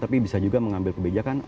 tapi bisa juga mengambil kebijakan